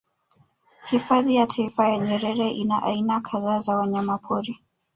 Hifadhi ya Taifa ya Nyerere ina aina kadhaa za wanyamapori